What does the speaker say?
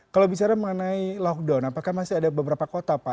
kalau bicara mengenai lockdown apakah masih ada beberapa kota pak